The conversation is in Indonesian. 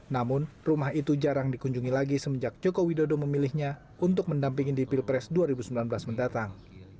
namun rumah itu jarang dikunjungi lagi semenjak joko widodo memilihnya untuk mendampingi di pilpres dua ribu sembilan belas mendatang